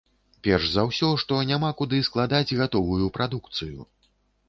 Перш за ўсё, што няма куды складаць гатовую прадукцыю.